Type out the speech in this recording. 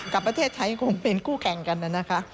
กับประเทศไทยคงเป็นคู่แข่งกันนะคะ